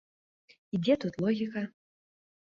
І дзе тут логіка?